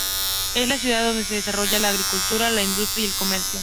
Es una ciudad donde se desarrolla la agricultura, la industria y el comercio.